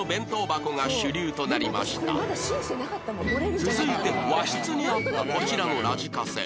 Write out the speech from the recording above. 続いて和室にあったこちらのラジカセ